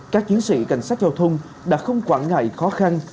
các chiến sĩ cảnh sát giao thông đã không quản ngại khó khăn